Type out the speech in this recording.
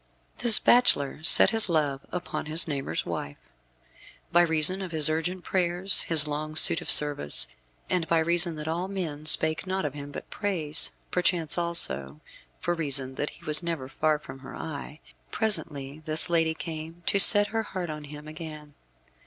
This bachelor set his love upon his neighbour's wife. By reason of his urgent prayers, his long suit and service, and by reason that all men spake naught of him but praise perchance, also, for reason that he was never far from her eye presently this lady came to set her heart on him again.